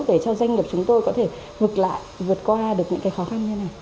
để cho doanh nghiệp chúng tôi có thể ngược lại vượt qua được những cái khó khăn như thế nào